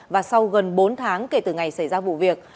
và sau gần bốn tháng kể từ ngày xảy ra vụ việc